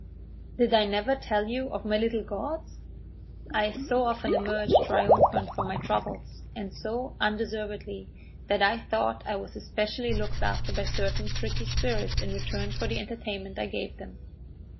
"Did I never tell you of my little gods? I so often emerged triumphant from my troubles, and so undeservedly, that I thought I was especially looked after by certain tricky spirits in return for the entertainment I gave them.